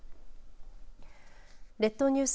列島ニュース